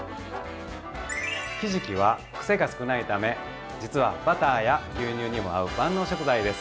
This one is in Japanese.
ひじきはくせが少ないため実はバターや牛乳にも合う万能食材です。